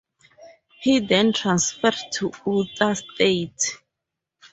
He then transferred to Utah State.